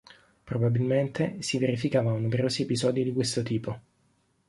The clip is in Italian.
Probabilmente si verificavano numerosi episodi di questo tipo.